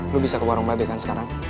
lu bisa ke warung babe kan sekarang